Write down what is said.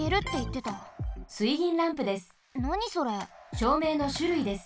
しょうめいのしゅるいです。